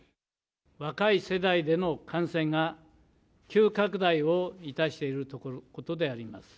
若い世代での感染が急拡大をいたしていることであります。